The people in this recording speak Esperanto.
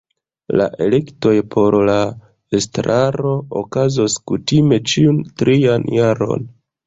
La elektoj por la estraro okazos kutime ĉiun trian jaron.